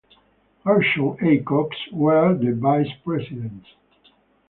Gershom A. Cox were the vice-presidents.